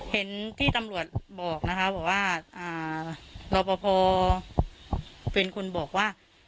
เห็นที่ตำรวจบอกนะคะบอกว่าอ่ารอบรพฟิลคุณบอกว่า